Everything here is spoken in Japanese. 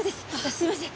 すいません。